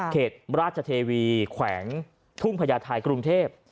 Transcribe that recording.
เขตราชเทวีแขวงทุ่งพญาไทยกรุงเทพ